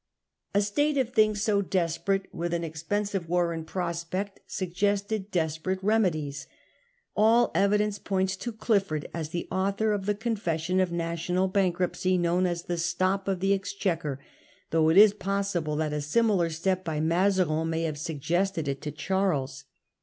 A state of things so desperate, with an expensive war in prospect, suggested desperate remedies. All evidence Stop of the points to Clifford as the author of the confession Exchequer. 0 f national bankruptcy known as the 1 Stop of the Exchequer,* though it is possible that a similar step by Mazarin (see p. 26) may have suggested it to Charles.